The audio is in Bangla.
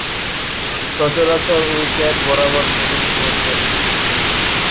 সচরাচর উইকেট বরাবর বোলিং করতেন।